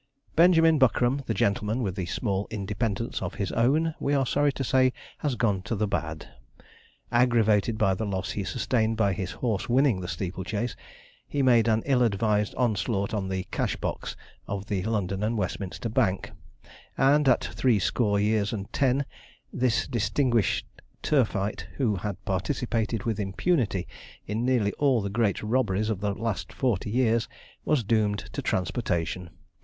Benjamin Buckram, the gentleman with the small independence of his own, we are sorry to say has gone to the 'bad.' Aggravated by the loss he sustained by his horse winning the steeple chase, he made an ill advised onslaught on the cash box of the London and Westminster Bank; and at three score years and ten this distinguished 'turfite,' who had participated with impunity in nearly all the great robberies of the last forty years, was doomed to transportation.